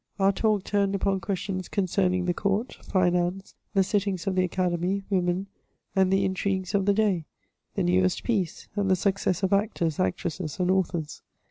'Our talk turned upon questions concerning the court, finance, the sittings of the academy, women, and the intrigues of the day — the newest piece, and the success of actors, actresses and authors.